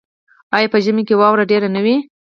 آیا په ژمي کې واوره ډیره نه وي؟